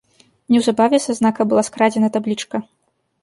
Неўзабаве са знака была скрадзена таблічка.